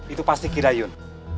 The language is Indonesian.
itu pasti kidayun